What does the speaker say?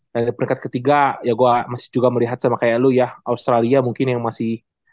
dari peringkat ketiga ya gue masih juga melihat sama kayak lu ya australia mungkin yang masih